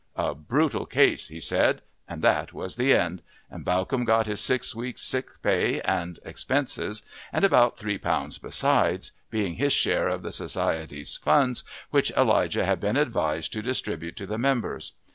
"A brutal case!" he said, and that was the end, and Bawcombe got his six weeks' sick pay and expenses, and about three pounds besides, being his share of the society's funds which Elijah had been advised to distribute to the members.